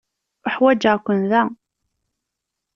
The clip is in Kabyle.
Uḥwaǧeɣ-ken da.